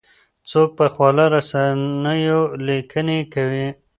څوک په خواله رسنیو لیکنې کوي؟